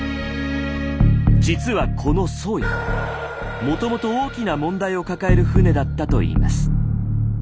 実はこの「宗谷」もともと大きな問題を抱える船だったといいます。